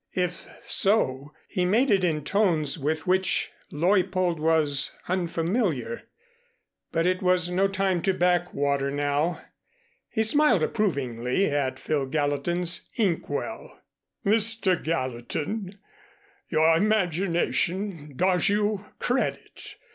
If so, he made it in tones with which Leuppold was unfamiliar. But it was no time to back water now. He smiled approvingly at Phil Gallatin's inkwell. "Mr. Gallatin, your imagination does you credit.